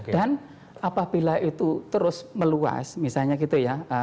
dan apabila itu terus meluas misalnya gitu ya